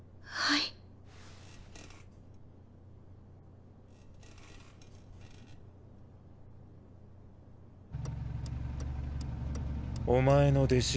いお前の弟子